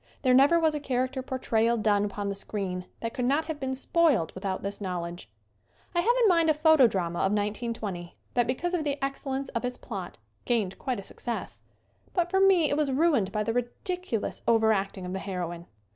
There never was a character portrayal done upon the screen that could not have been spoiled without this knowledge. I have in mind a photodrama of 1920 that because of the excellence of its plot gained quite a success. But for me it was ruined by the ridiculous overacting of the heroine.